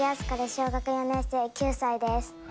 小学４年生９歳です。